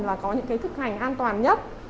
và có những thực hành an toàn nhất